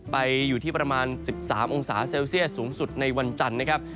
อยู่ที่ประมาณ๑๓องศาเซลเซียสสูงสุดในวันจันทร์นะครับ